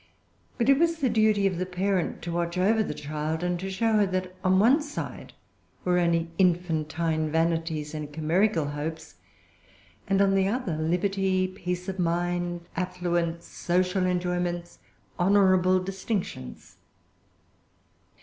But it was the duty of the parent to watch over the child, and to show her that on one side were only infantine vanities and chimerical hopes, on the other liberty, peace of mind, affluence, social enjoyments, honorable distinctions.